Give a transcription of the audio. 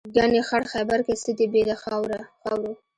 ګنې خړ خیبر کې څه دي بې له خاورو.